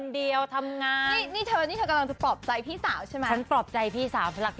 เดี๋ยวพลอยชวนไปกินหมูกระทะ